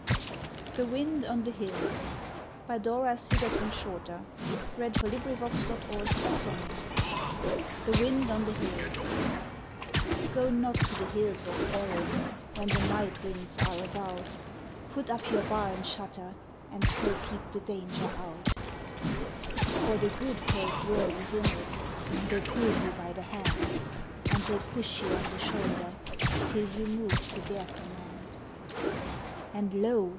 With the best of God's hours, I have left you at last. THE WIND ON THE HILLS Go not to the hills of Erin When the night winds are about, Put up your bar and shutter, And so keep the danger out. For the good folk whirl within it, And they pull you by the hand. And they push you on the shoulder, Till you move to their command. And lo